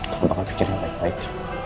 kaka bakal pikirnya baik baik